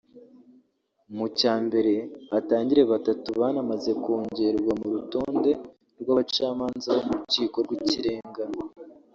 mu cya mbere hatangire batatu banamaze kongerwa mu rutonde rw’abacamanza bo mu rukiko rw’ikirenga